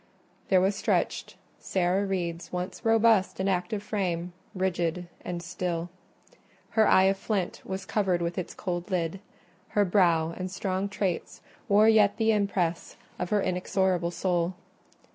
There was stretched Sarah Reed's once robust and active frame, rigid and still: her eye of flint was covered with its cold lid; her brow and strong traits wore yet the impress of her inexorable soul.